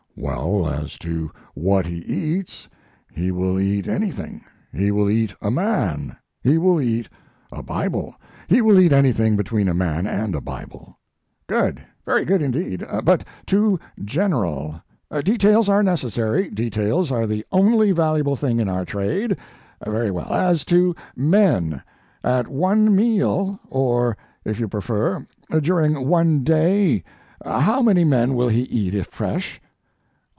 "Well, as to what he eats he will eat anything. He will eat a man, he will eat a Bible; he will eat anything between a man and a Bible." "Good very good, indeed, but too general. Details are necessary; details are the only valuable thing in our trade. Very well, as to men. At one meal or, if you prefer, during one day how many men will he eat if fresh?"